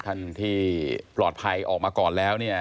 ท่านที่ปลอดภัยออกมาก่อนแล้วเนี่ย